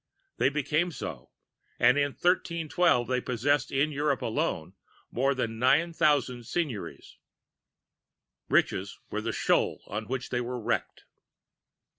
They became so, and in 1312 they possessed in Europe alone more than nine thousand seignories. Riches were the shoal on which they were wrecked.